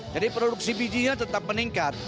produksi bijinya tetap meningkat